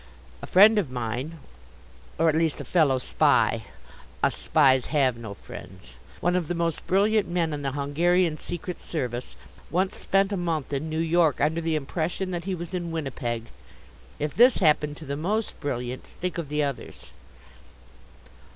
A friend of mine, or at least a Fellow Spy us Spies have no friends one of the most brilliant men in the Hungarian Secret Service, once spent a month in New York under the impression that he was in Winnipeg. If this happened to the most brilliant, think of the others.